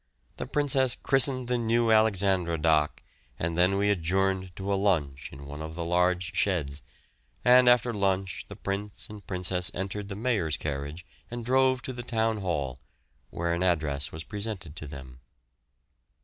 The Princess christened the new Alexandra dock and then we adjourned to a lunch in one of the large sheds, and after lunch the Prince and Princess entered the mayor's carriage and drove to the Town Hall, where an address was presented to them.